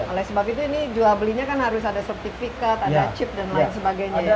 oleh sebab itu ini jual belinya kan harus ada sertifikat ada chip dan lain sebagainya